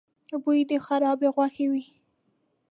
بوی د خرابې غوښې و.